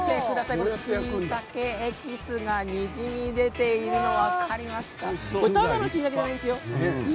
しいたけからエキスがにじみ出ているの分かりますか？